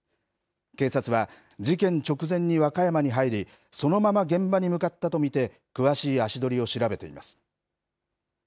警察は事件直前に和歌山に入り、そのまま現場に向かったと見て、詳しい足取りを調べています。